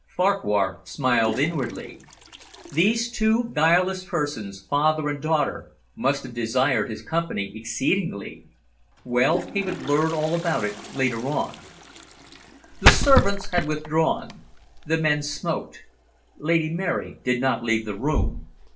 Farquhar smiled inwardly. These two guileless persons, father and daughter, must have desired his company exceedingly! Well, he would learn all about it later on. The servants had withdrawn. The men smoked. Lady Mary did not leave the room.